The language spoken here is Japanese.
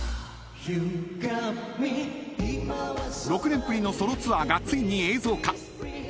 ［６年ぶりのソロツアーがついに映像化］